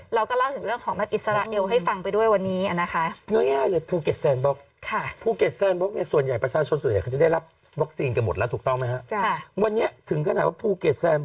เราก็เล่าถึงเรื่องของมันอิสราเอลให้ฟังไปด้วยวันนี้นะคะ